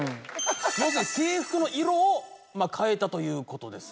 まさに制服に色を変えたということです。